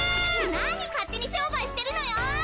何勝手に商売してるのよー！